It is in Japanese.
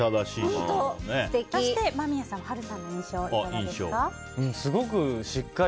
そして間宮さん波瑠さんの印象いかがですか？